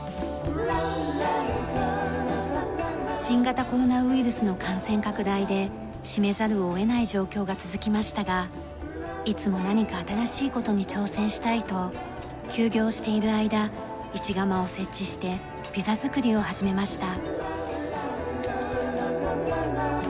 新型コロナウイルスの感染拡大で閉めざるを得ない状況が続きましたがいつも何か新しい事に挑戦したいと休業している間石窯を設置してピザ作りを始めました。